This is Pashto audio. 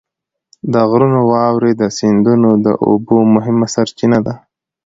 د غرونو واورې د سیندونو د اوبو مهمه سرچینه ده.